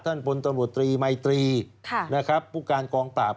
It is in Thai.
พลตำรวจตรีมัยตรีนะครับผู้การกองปราบ